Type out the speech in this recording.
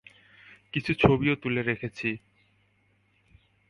কিছু ছবিও তুলে রেখেছি।